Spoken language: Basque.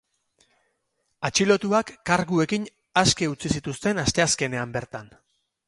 Atxilotuak karguekin aske utzi zituzten asteazkenean bertan.